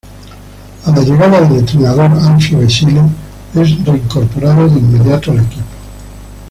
A la llegada del entrenador Alfio Basile es reincorporado de inmediato al equipo.